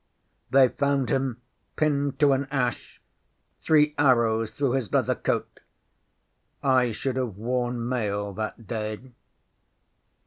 ŌĆśThey found him pinned to an ash, three arrows through his leather coat. I should have worn mail that day.